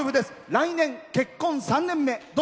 来年、結婚３年目。